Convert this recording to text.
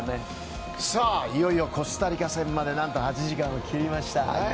いよいよコスタリカ戦まで８時間を切りました。